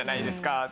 って